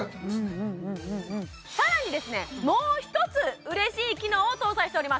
さらにもう１つうれしい機能を搭載しております